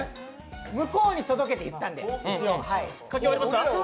向こうに届けていったんで。